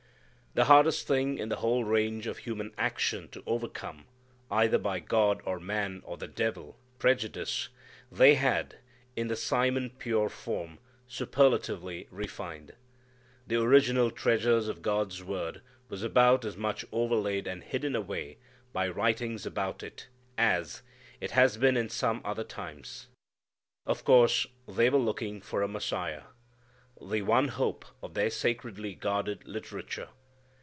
That hardest thing in the whole range of human action to overcome, either by God or man or the devil prejudice they had, in the Simon pure form, superlatively refined. The original treasure of God's Word was about as much overlaid and hidden away by writings about it as it has been in some other times. Of course they were looking for a Messiah, the one hope of their sacredly guarded literature.